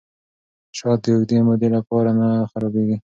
شات د اوږدې مودې لپاره نه خرابیږي.